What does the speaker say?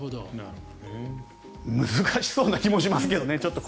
難しそうな気もしますけどね。